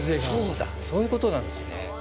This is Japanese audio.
そうだ、そういうことなんですね。